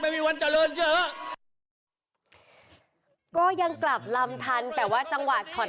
ไม่มีวันเจริญเถอะก็ยังกลับลำทันแต่ว่าจังหวะช็อต